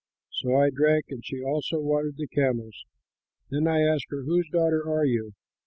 So I drank, and she also watered the camels. Then I asked her, 'Whose daughter are you?'